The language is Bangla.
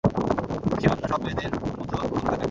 সে অন্য সব মেয়েদের মতো হল না কেন?